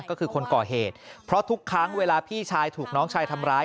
ก็คือคนก่อเหตุเพราะทุกครั้งเวลาพี่ชายถูกน้องชายทำร้าย